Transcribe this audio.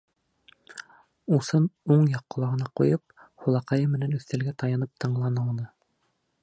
Усын уң яҡ ҡолағына ҡуйып, һулаҡайы менән өҫтәлгә таянып тыңланы уны.